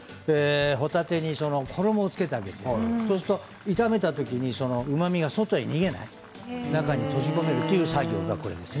ほたてに衣をつけて揚げるそうすると炒めた時にうまみが外に逃げない、中に閉じ込める作業がこれです。